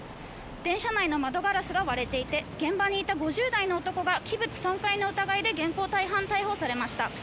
電車内の窓ガラスが割れていて現場にいた５０代の男が器物損壊の疑いで現行犯逮捕されました。